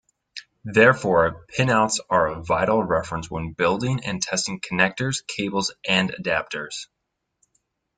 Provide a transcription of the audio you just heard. Therefore, pinouts are a vital reference when building and testing connectors, cables, and adapters.